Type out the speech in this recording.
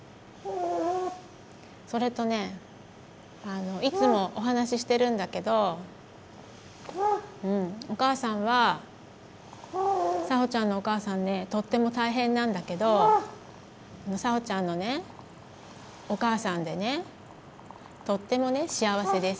それとねいつもお話ししてるんだけどお母さんはさほちゃんのお母さんねとっても大変なんだけどさほちゃんのねお母さんでねとってもね幸せです。